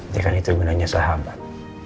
ya kan itu bener bener sahabat